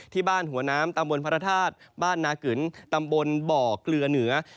ที่บ้านหัวน้ำตำบลพระธาตุบ้านนากึนตำบลบ่อเกลือเหนือ